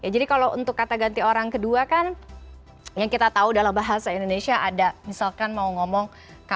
jadi kalau untuk kata ganti orang kedua kan yang kita tahu dalam bahasa indonesia ada misalkan mau ngomong